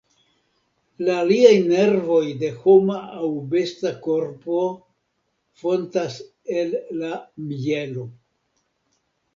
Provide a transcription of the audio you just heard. La aliaj nervoj de homa aŭ besta korpo fontas el la mjelo.